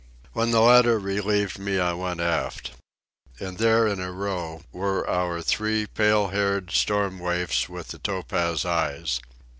When the latter relieved me I went aft. And there in a row were our three pale haired storm waifs with the topaz eyes.